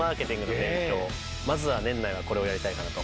まずは年内はこれをやりたいかなと。